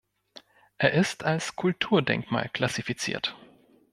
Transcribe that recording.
Er ist als Kulturdenkmal klassifiziert.